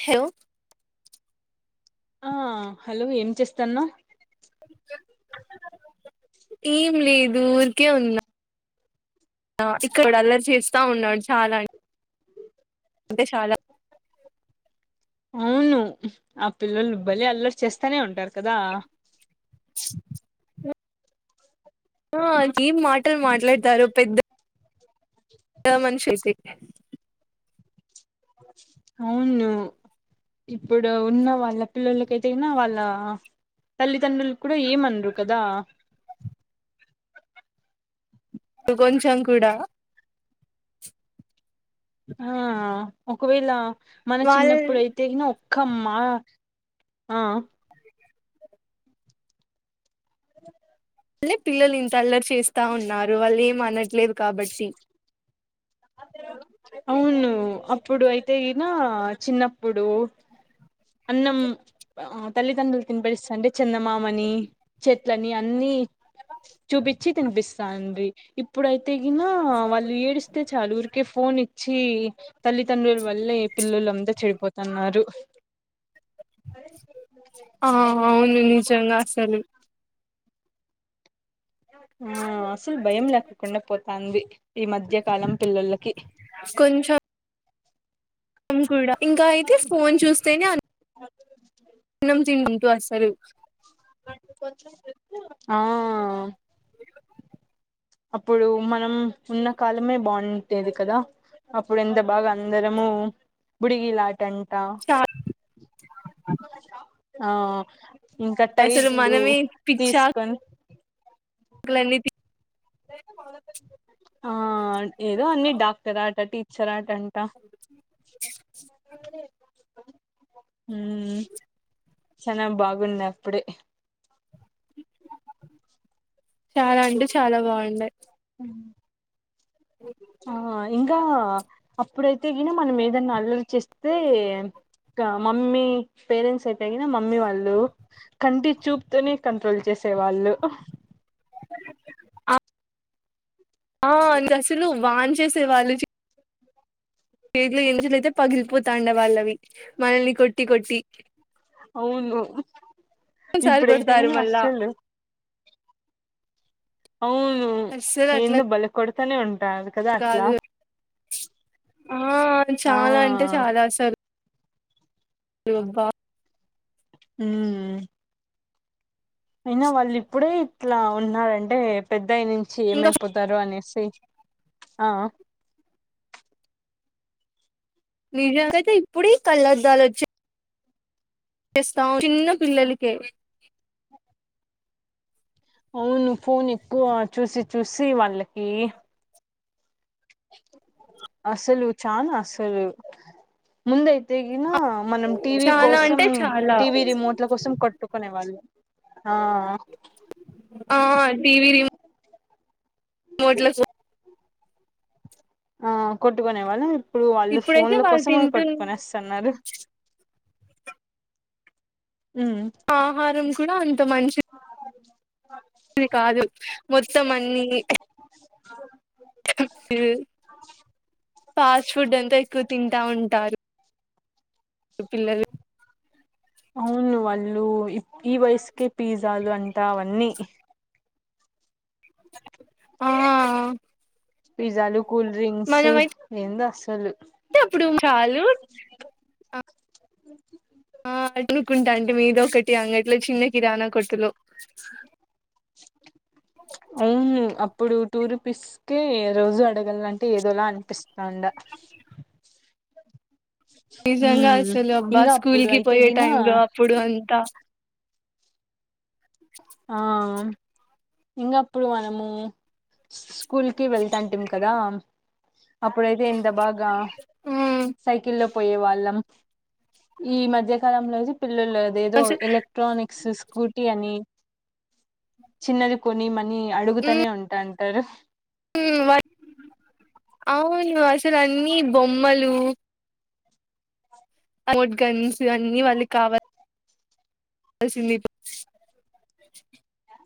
Hello ఆ hello ఏం చేస్తాన్నాన్? ఏం లేదు ఊరికే ఉన్నా ఇక్కడ అలా చేస్తా ఉన్నాడు చాలా అ అంటే చాలా అవును ఆ పిల్లలు బలె అల్లరి చేస్తానే ఉంటారు కదా. [inaudible] ఆ ఏం మాటలు మాట్లాడతారు పెద్ద హలో మనసెస్తి అవును ఇప్పుడు ఉన్న వాళ్ళ పిల్లలకైతేనా వాళ్ళ తల్లిదండ్రులు కూడా ఏమనరు కదా. [inaudible] డు కొంచెం కూడా ఆ ఒకవేళ మన వాళ్ళే చిన్నప్పుడుయితేగిన క్కమ్మా ఆ హలో లె పిల్లలు ఇంత అల్లరు చేస్తా ఉన్నారు. వాళ్ళు ఏం అనట్లేదు కాబట్టి అవును అప్పుడు అయితే ఈనా చిన్నప్పుడు అన్నం బహప్ తల్లిదండ్రులు తినపడిస్తా అంటే చిన్నమామని, చెట్లని అన్ని చూపించి తినిపిస్తాండ్రి ఇప్పుడైతే తెగినా వాళ్ళు ఏడిస్తే చాలు ఊరికే ఫోన్ ఇచ్చి తల్లిదండ్రుల వల్లే పిల్లలంతా చెడిపోతున్నారు ఆహ అవును నిజంగా అసలు ఆ అసలు భయం లేక్కకుండా పోతంది ఈ మధ్యకాలం పిల్లలకి కొంచం మ్ కూడా ఇంకా అయితే ఫోన్ చూస్తేనే అ అన్నం తింటూ వస్సరు ఆ వెళ్లకు అప్పుడు మనం ఉన్న కాలమే బా ఉ టేది కదా అప్పుడు ఎంత బాగా అందరము బుడిగిలా టంటా చాలా ఆ ఇంకా అసలు టైర్లు మనమే తీసుకొని క్లణితి ఆ ఏదో అన్ని డాక్టర్ ఆట, టీచర్ ఆట డంటా ఉ చానా బాగుంది అప్పుడే చాలా అంటే చాలా బాగుండాయ్ ఆహ ఇంగా అప్ ఇప్పుడైతే ఈనా మనం ఏదైనా అల్లరి చేస్తే గా మమ్మీ పేరెంట్స్ అయితేయిగిన మమ్మీ వాళ్ళు కంటి చూపుతోనే కంట్రోల్ చేస్ తె వాళ్ళు ఆ అంది అసలు వాన్ చేసేవాళ్ళు పేట్లు ఎంచలయితే పగిలిపోతాండ వాళ్ళవి మనల్ని కొట్టి కొట్టి అవును సారి ఇప్పుడైతే కొడతారు గానీ మళ్ళా అస్సలు అవును అస్సలు అట్లా నిన్ను బాలే కొడతనేే ఉంటు టాది కాదే అట్లా కాదు ఆ ఆ చాలా ఇవ్వ ఉ అయినా వాళ్ళు ఇప్పుడే ఇట్లా ఉన్నారంటే పెద్దయ్య నుంచి ఇంకా ఏమైపోతారు అనేసి ఆ నిజంగాయితే ఇప్పుడే కళ్ళద్దాలు వచ్చాయి చేస్తాం చిన్న పిల్లలకే అవును ఫోన్ ఎక్కువ చూసి చూసి వాళ్ళకి అసలు చానా అసలు ముందై తెగినా మనం టీవీ చాలా కోసం అంటే చాలా టీవీ రిమోట్ల కోసం కట్టుకునే వాళ్ళం ఆ ఆ టివీ రిమోట్ మోట్ల సు ఆ కొట్టుకునే వాళ్ళం ఇప్పుడు వాళ్ళు ఇప్పుడైతే ఫోన్ల వాళ్ళు కోసం తింటున్న కొట్టుకునొస్తున్నారు ఉమ్ ఆహారం కూడా అంత మంచి ఇది కాదు మొత్తం అన్నీ [inaudible] [unintelligible] పిల్లలు అవును వాళ్ళు ఈ వయసుకే పిజ్జాలు అంటా అవన్నీ ఆ పిజ్జాలు కూల్ డ్రింక్స్ మనమైతే ఏంది అసలు [inaudible] అప్పుడు చాలు ఆ అనుకుంటా ఆంటీ మీదోకటి అంగట్లో చిన్న కిరాణా కొట్టులో అవును ఆ ఇప్పుడు టూ రూపీస్ కే రోజు అడగలంటే ఏదోలా అనిపిస్తాండ అ నిజంగా ఉమ్ అసలు అబ్బా ఇంగ స్కూల్ అప్పుడు కి అయితే పోయే గిన టైంలో అప్పుడు అంతా ఇంగప్పుడు మనము స్కూల్ కి వెళ్తాంటిమి కదా అప్పుడైతే ఇంత బాగా ఉమ్ సైకిల్ లో పోయే వాళ్ళం ఈ మధ్యకాలంలో పిల్లలు అది ఏదో అసలు ఎలక్ట్రానిక్స్ స్కూటీ అని చిన్నది కొనీ మనీ అడుగుతానే ఉంటా ఉంటారు [unintelligible] మోట్ గన్స్ అన్నీ వాళ్ళకి కావాలి [inaudible]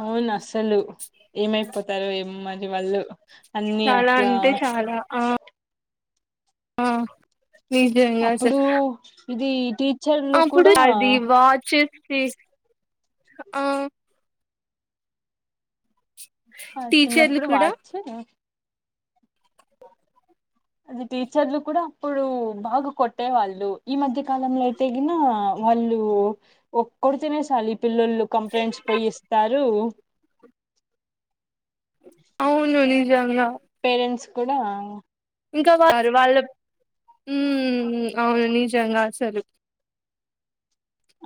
అవును అసలు ఏమైపోతారో ఏమో మరి వాళ్ళు అన్నీ చాలా అట్లా అంటే చాలా ఆ ఆ నిజంగా అస్స అప్పుడు ఇది ఇది [unintelligible] [inaudible] ఆ టీచర్లు చిన్నప్పుడు కూడా వార్చినే [inaudible] అది టీచర్లు కూడా అప్పుడు బాగా కొట్టే వాళ్ళు ఈ మధ్య కాలంలో అయితే గిన వాళ్ళు ఒక్కడు తిన్నేసాలు ఈ పిల్లోలు కంప్లైంట్స్ పోయి ఇస్తారు అవును నిజం గా పేరెంట్స్ కూడా యూ అవును నిజంగా అసలు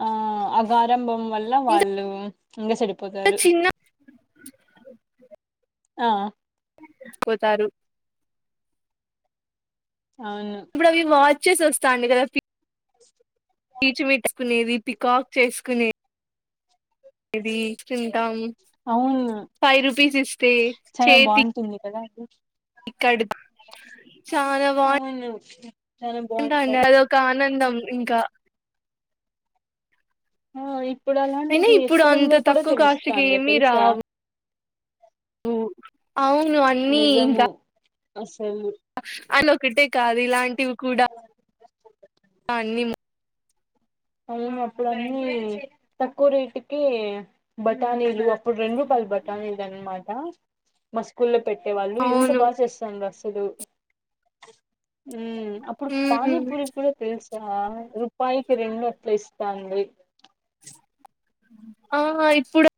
ఆ ఆగారాభం వల్ల ఇంకా వాళ్ళు ఇంకా చెడిపోతారు చిన్న ఆ పోతారు అవును ఇప్పుడు అవి వాచెస్ వస్తాండా కదా ఫీ [inaudible] పీచు మిఠాయి నీది పీకాక్ చేసుకోనే ఇది తింటాం అవును ఫైవ్ రుపీస్ ఇస్తే చాలా చేతి బాగుంటుంది కదా అది చాలా బాన్ అవును చాలా బాగుంటాయి అదొక ఆనందం ఇంకా ఆ ఇప్పుడు అయినా అలాంటిది ఇప్పుడు అంత ఎక్కడుందో కూడా తక్కువ కాస్ట్ కి తెలుస్తానలే ఏమి తెలుసా రావు అవును అన్నీ నిజము ఇంకా అసలు అన్ని ఒక్కటే కాదు ఇలాంటివి కూడా అన్ని అ అప్పుడు అన్నీ తక్కువ రేటుకే బటానీలు అప్పుడు రెండు రూపాయల బటానీలు అన్నమాట మా స్కూల్లో పెట్టేవాళ్ళు ఎంత అవును బాగా చేస్తున్నారు అసలు యూ అప్పుడు హ్మ్ పానీపూరి కూడా తెలుసా రూపాయికి రెండు పేస్ తాంది ఆహా ఇప్పుడు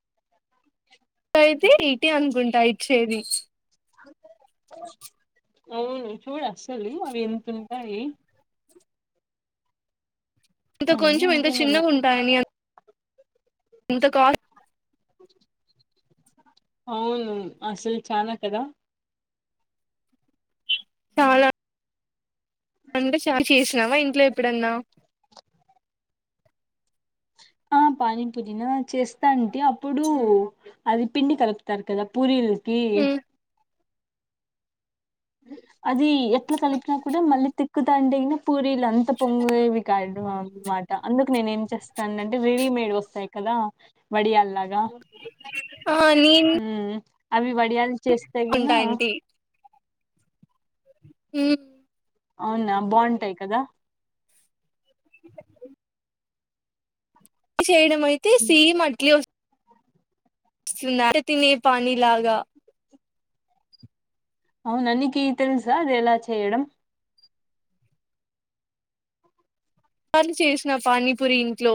అయితే ఇటీ అనుకుంటా ఇచ్చేది అవును చూడు అసలు అవి ఎంత ఉంటాయి ఇంత అన్నీ కొంచెం ఇంత అంతేనేమో చిన్నగా ఉంటాయని ఇంత కా [inaudible] అవును అసలు చానా కదా చాల అంటే చానా చేసినావా ఇంట్లో ఎప్పుడన్నా [inaudible] పానీ పూరి నా చేస్తాంటి అప్పుడు అది పిండి కలుపుతారు కదా పూరీలు కీ ఉమ్ అది ఎట్ల కలిపినా కూడా మళ్ళీ తిక్కుతుంటేగిన పూరీలు అంత పొంగేవి [unintelligible] మాట అందుకు నేనేం చేస్తానంటే రెడీమేడ్ వస్తాయి కదా వడియాల్లాగా ఆ నేను ఉహ్మ్ అవి వడియాలు చేస్తే గిన ఉంటా ఉ అవునా బాగుంటాయి కదా చేయడం అయితే సీమ్ అట్లే వస్ [unintelligible] తినీ పాణి లాగా అవునా నీకి తెలుసా అది ఎలా చేయడం కానీ చేసిన పానీ పూరి ఇంట్లో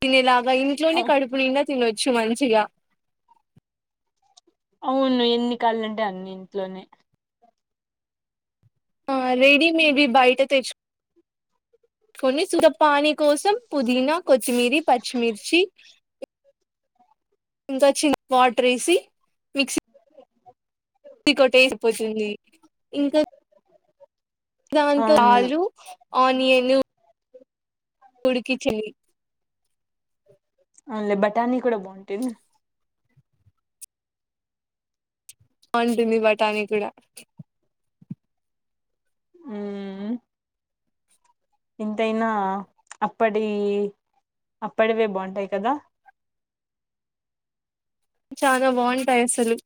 తినేదాకా ఇంట్లోనే అవ్- కడుపునిండా తినొచ్చు మంచిగా అవును ఎన్ని కాల్ అంటే అన్ని ఇంట్లోనే ఆ రెడీ మేడ్ ది బయట తెచ్చు కొన్ని సుధప్ పానీ కోసం పుదీనా కొత్తిమీరీ పచ్చిమిర్చి ఇంకా చిన్ వాటర్ ఏసీ మిక్స్ [inaudible] మీకోటేసి పోసింది ఇంకా దాంతో అవును ఆలు ఆనియన్ ఉడికించండి అ బఠానీ కూడా బాగుంటుది బాగుంటుంది బఠానీ గూడా ఉమ్ హూ ఎంతైనా అప్పటి అప్పటివే బాగుంటాయి కదా చానా బాగుంటాయి అసలు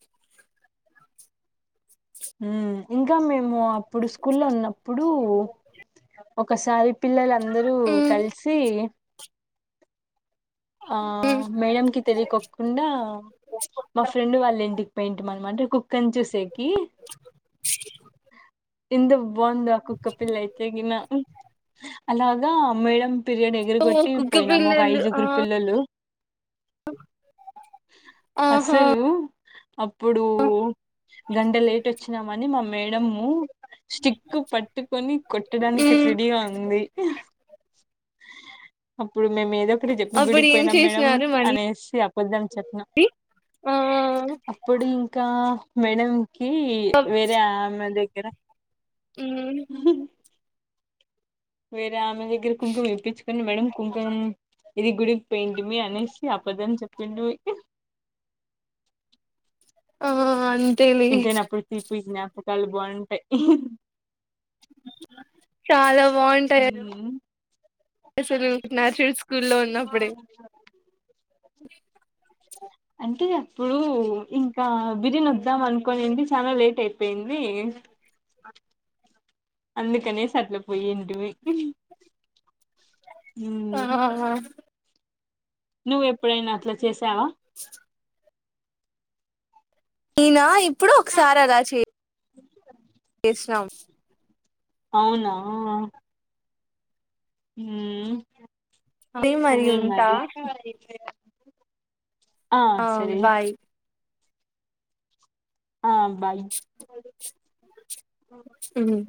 ఉమ్ ఇంకా మేము అప్పుడు స్కూల్ లో ఉన్నప్పుడు ఒకసారి పిల్లలందరూ మ్మ్ కలిసి ఆ మ్మ్ మేడంకిి తెలియకోకుండా మా ఫ్రెండ్ వాళ్ళ ఇంటికి పోయి ఉంటిమి అన్నమాట కంచు సేకి ఇందు బాగుందా ఆ కుక్కపిల్ల అయితే గిన అలాగా మేడం పీరియడ్ ఎగర ఓ గొట్టి కుక్క పోయినాము ఒక పిల్లలు ఆ ఐదుగురు పిల్లలు ఆహా అసలు అప్పుడు గంట లేట్ వచ్చినామని మా మేడము స్టిక్ పట్టుకొని కొట్టడానికి మ్మ్ రెడీగా ఉంది అప్పుడు మేము ఏద అప్పుడు ఏం గుడికిపోయినాం మేడం చేసినారు మళ్ళీ అనేసి అబద్దాం చెప్పిన ఆ అప్పుడు ఇంకా మేడం కి వేరే ఆమె దగ్గర మ్మ్ వేరే ఆమె దగ్గర కుంకుం ఇప్పించుకొని మేడం కుంకుం ఇది గుడికి పెయింటి మీ అనేసి అబద్దం చెప్పిండు ఆ అం ఇంతైన అప్పుడు తీపి జ్ఞాపకాలు బాగుంటాయి చాలా బాగుంటాయి అసలు న్యాచ్ రేల్స్ అంతేగా ఇప్పుడు ఇంకా బిరీనీ వద్దాం అనుకోనేది చాలా లేట్ అయిపోయింది అ [inaudible] అందు కనేసి అట్ల పోయింటిమి ఆ [unintelligible] నువ్వ ఎప్పుడైనా అట్లా చేసావా [inaudible] [inaudible] ఈయనా ఇప్పుడు ఒకసారి అలా చెయ చేసినం అవునా ఉమ్ అదే సరే ఉంటా మరి ఆ సరే ఆ బాయ్ ఉమ్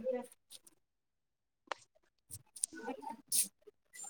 అ [inaudible]